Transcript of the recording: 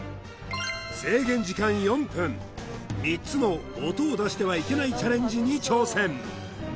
制限時間４分３つの音を出してはいけないチャレンジに挑戦！